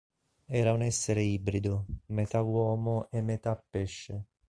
Era un essere ibrido, metà uomo e metà pesce.